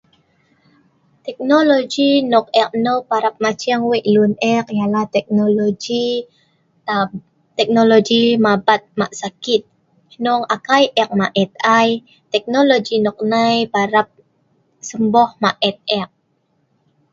teknologi nok ek neu parap maceng weik lun ek ialah teknologi na teknologi mabat ma sakit hnung kai ek maet ai teknologi nok nai parap sembuh maet ek